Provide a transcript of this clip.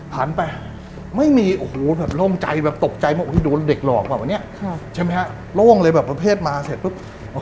หันไปไม่มีโอ้โหแบบโล่งใจแบบตกใจว่าโดนเด็กหลอกป่ะวันนี้ใช่ไหมฮะโล่งเลยแบบประเภทมาเสร็จปุ๊บ